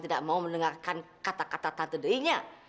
tidak mau mendengarkan kata kata tante dirinya